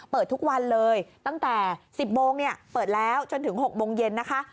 เปิดทุกวันเลยตั้งแต่๑๐โมงเปิดแล้วจนถึง๖โมงเย็นนะคะ